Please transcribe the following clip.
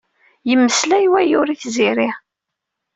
Yemmeslay wayyur d tziri.